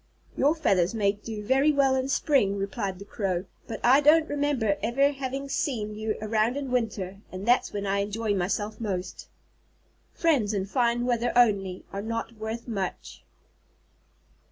"Your feathers may do very well in spring," replied the Crow, "but I don't remember ever having seen you around in winter, and that's when I enjoy myself most." _Friends in fine weather only, are not worth much.